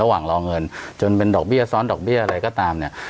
รอเงินจนเป็นดอกเบี้ยซ้อนดอกเบี้ยอะไรก็ตามเนี่ย